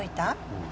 うん！